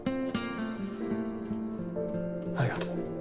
ありがとう。